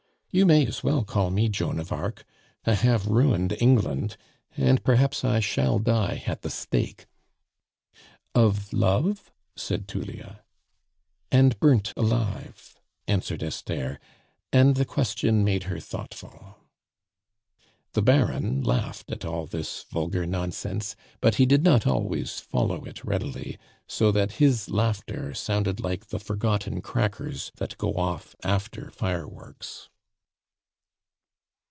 You may as well call me Joan of Arc; I have ruined England, and perhaps I shall die at the stake " "Of love?" said Tullia. "And burnt alive," answered Esther, and the question made her thoughtful. The Baron laughed at all this vulgar nonsense, but he did not always follow it readily, so that his laughter sounded like the forgotten crackers that go off after fireworks.